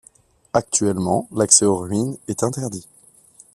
Actuellement, l'accès aux ruines est interdit.